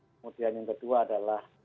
kemudian yang kedua adalah